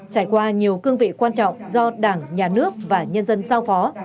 trải qua nhiều cương vị quan trọng do đảng nhà nước và nhân dân giao phó